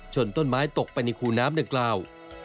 ต้นไม้ตกไปในคูน้ำดังกล่าว